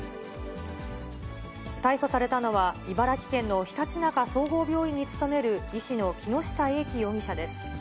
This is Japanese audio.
逮捕されたのは、茨城県のひたちなか総合病院に勤める医師の木下瑛貴容疑者です。